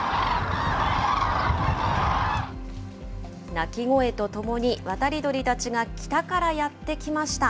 鳴き声とともに渡り鳥たちが北からやって来ました。